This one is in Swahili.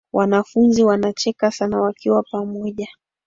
Wanafunzi wanacheka sana wakiwa pamoja